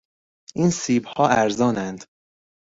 این سیبها ارزانند.